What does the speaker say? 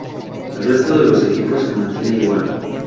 El resto de los equipos se mantiene igual.